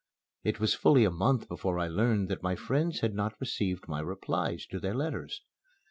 It was fully a month before I learned that my friends had not received my replies to their letters.